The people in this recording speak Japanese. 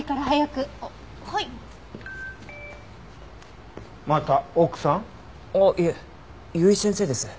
あっいえ由井先生です。